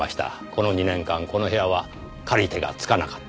この２年間この部屋は借り手がつかなかった。